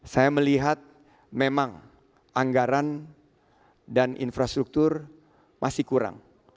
saya melihat memang anggaran dan infrastruktur masih kurang